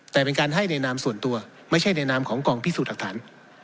แต่เป็นการให้ในนามส่วนตัวไม่ใช่ในนามของกองพิสูจน์หลักฐาน